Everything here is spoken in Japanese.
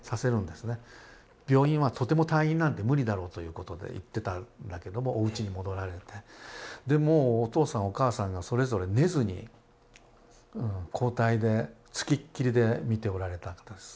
病院はとても退院なんて無理だろうということで言ってたんだけどもおうちに戻られてでもうお父さんお母さんがそれぞれ寝ずにうん交代で付きっきりで見ておられたんです。